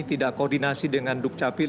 tidak koordinasi dengan duk capil